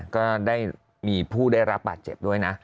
ก็ได้มีผู้ได้รับบาดเจ็บด้วยนะ